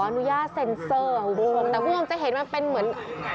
แล้วคุณก็คงจะเห็นว่าเป็นเหมือน